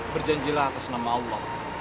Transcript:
berjanjilah atas nama allah